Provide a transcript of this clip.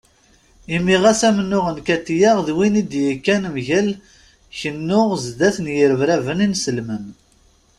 Imi ɣas amennuɣ n Katiya d win i d-yekkan mgal kennu zdat n yirebraben inselmen.